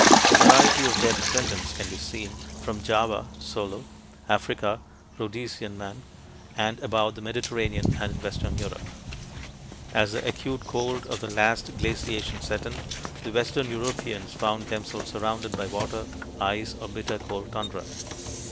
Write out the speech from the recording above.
A variety of their descendants can be seen, from Java (Solo), Africa (Rhodesian man), and about the Mediterranean and in western Europe. As the acute cold of the last glaciation set in, the western Europeans found themselves surrounded by water, ice, or bitter cold tundra.